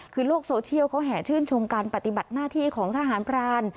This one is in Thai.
คือโลกโซเชียลเขาแห่ชื่นชมการปฏิบัติหน้าที่ของทหารพราน